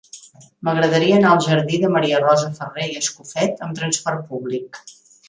M'agradaria anar al jardí de Maria Rosa Farré i Escofet amb trasport públic.